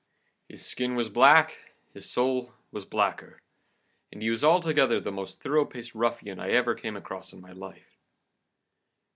His skin was black, his soul was blacker, and he was altogether the most thorough paced ruffian I ever came across in my life.